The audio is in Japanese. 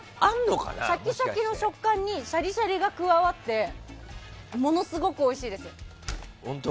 しゃきしゃきの食感にシャリシャリが加わってものすごくおいしいです。